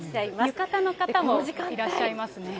浴衣の方もいらっしゃいますね。